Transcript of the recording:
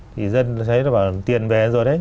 thì dân thấy nó bảo tiền về rồi đấy